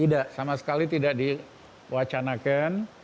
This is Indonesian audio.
tidak sama sekali tidak diwacanakan